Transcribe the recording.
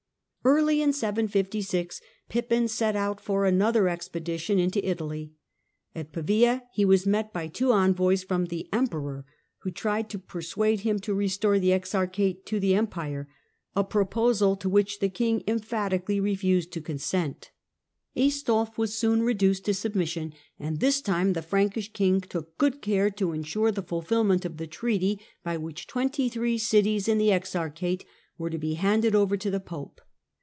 Pippin's Early in 756 Pippin set out for another expedition expedition, into Italy. At Pavia he was met by two envoys from the Emperor, who tried to persuade him to restore the exarchate to the Empire — a proposal to which the king emphatically refused to consent. THE POPE, THE LOMBARDS AND THE FRANKS 131 Aistulf was soon reduced to submission, and this time the Frankish king took good care to ensure the fulfil ment of the treaty, by which twenty three cities in the exarchate were to be handed over to the Pope.